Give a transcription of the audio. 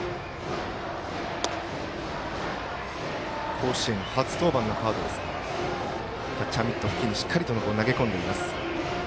甲子園、初登板の川田ですがキャッチャーミット付近にしっかりと投げ込んでいます。